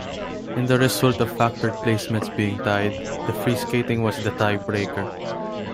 In the result of factored placements being tied, the free skating was the tie-breaker.